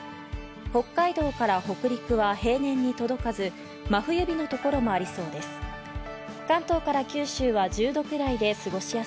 北海道から北陸は平年に届かず、真冬日のところもありそうです。